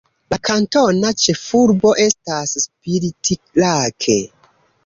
La kantona ĉefurbo estas Spirit Lake.